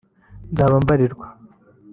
nzaba mbarirwa